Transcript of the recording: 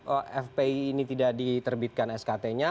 epi ini tidak diterbitkan skt nya